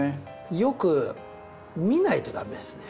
よく見ないと駄目ですね。